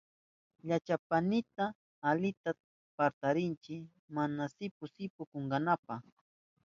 Llachapaynita alita patarichiy mana sipu sipu tukunanpa.